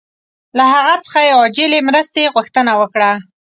له هغه څخه یې عاجلې مرستې غوښتنه وکړه.